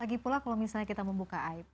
lagi pula kalau misalnya kita membuka aib